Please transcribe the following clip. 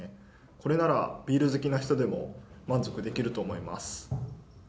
これならビール好きな人でも満足できると思います。